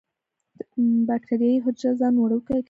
باکټریايي حجره ځان وړوکی کوي.